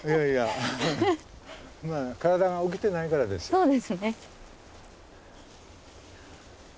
そうですね。